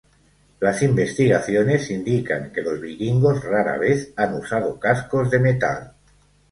Las investigaciones indican que los vikingos rara vez han usado cascos de metal.